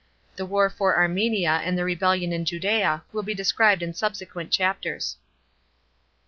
The war for Armenia and the rebellion in Judea will be described in subsequent chapters.